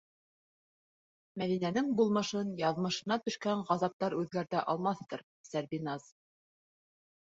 Мәҙинәнең булмышын яҙмышына төшкән ғазаптар үҙгәртә алмаҫтыр, Сәрбиназ.